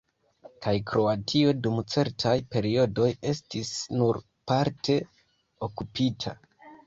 Kaj Kroatio dum certaj periodoj estis nur parte okupita.